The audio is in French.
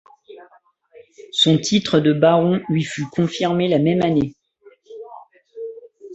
Son titre de baron lui fut confirmé la même année.